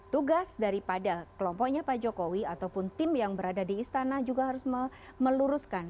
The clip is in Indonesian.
tugas daripada kelompoknya pak jokowi ataupun tim yang berada di istana juga harus meluruskan